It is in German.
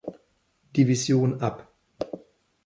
Division ab.